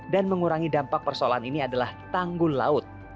dan mengurangi dampak persoalan ini adalah tanggul laut